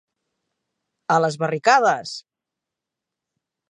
A les Barricades!